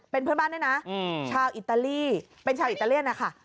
เป็นเพื่อนบ้านด้วยนะชาวอิตาลีเป็นชาวอิตาเลียนนะคะ